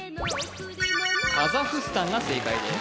カザフスタンが正解です